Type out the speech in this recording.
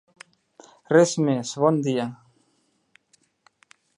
Res més, bon dia!